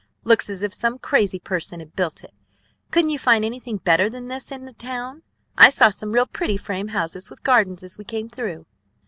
Looks as if some crazy person had built it. Couldn't you find anything better than this in the town? I saw some real pretty frame houses with gardens as we came through."